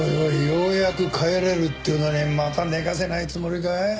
ようやく帰れるっていうのにまた寝かせないつもりかい？